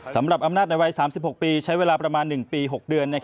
สำหรับอำนาจในวัย๓๖ปีใช้เวลาประมาณ๑ปี๖เดือน